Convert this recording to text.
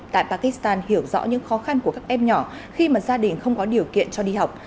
tại pakistan hiểu rõ những khó khăn của các em nhỏ khi mà gia đình không có điều kiện cho đi học